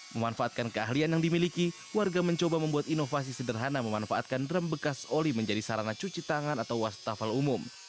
memanfaatkan keahlian yang dimiliki warga mencoba membuat inovasi sederhana memanfaatkan drum bekas oli menjadi sarana cuci tangan atau wastafel umum